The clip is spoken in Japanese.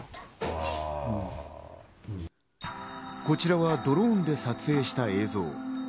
こちらはドローンで撮影された映像。